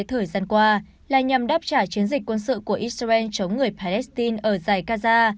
thời gian qua là nhằm đáp trả chiến dịch quân sự của israel chống người palestine ở dài gaza